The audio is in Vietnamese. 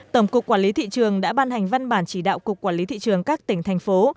tổng cục quản lý thị trường đã ban hành văn bản chỉ đạo cục quản lý thị trường các tỉnh thành phố